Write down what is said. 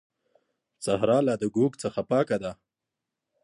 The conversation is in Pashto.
صحرا لا د ږوږ څخه پاکه ده.